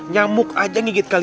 satu lagi ustaz